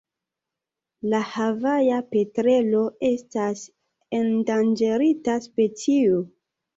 La Havaja petrelo estas endanĝerita specio.